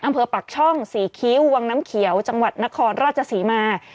ปักช่องศรีคิ้ววังน้ำเขียวจังหวัดนครราชศรีมา